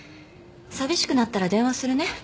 寂しくなったら電話するね。